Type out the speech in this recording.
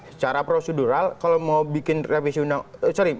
secara prosedural kalau mau bikin revisi undang sorry